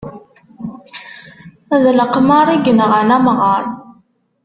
D leqmar i yenɣan amɣar.